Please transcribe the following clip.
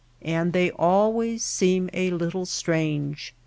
And they always seem a little strange.